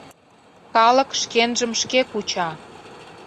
Калык шкенжым шке куча.